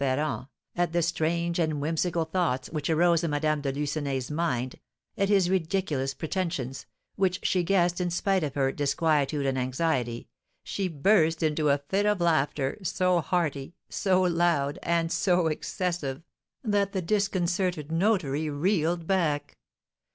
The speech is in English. Ferrand, at the strange and whimsical thoughts which arose in Madame de Lucenay's mind, at his ridiculous pretensions, which she guessed in spite of her disquietude and anxiety, she burst into a fit of laughter, so hearty, so loud, and so excessive, that the disconcerted notary reeled back.